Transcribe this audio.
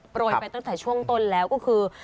โรยไปตั้งแต่ช่วงต้นแล้วก็คือ